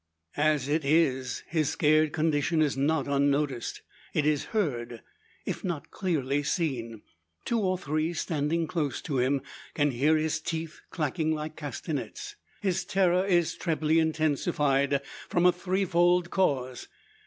As it if, his scared condition is not unnoticed. It is heard, if not clearly seen. Two or three, standing close to him, can hear his teeth clacking like castanets! His terror is trebly intensified from a threefold cause.